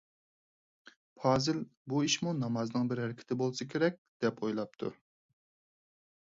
پازىل «بۇ ئىشمۇ نامازنىڭ بىر ھەرىكىتى بولسا كېرەك» دەپ ئويلاپتۇ.